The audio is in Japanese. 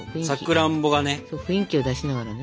雰囲気を出しながらね。